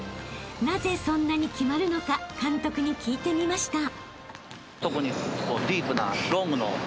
［なぜそんなに決まるのか監督に聞いてみました］